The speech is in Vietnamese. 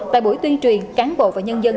tại buổi tuyên truyền cán bộ và nhân dân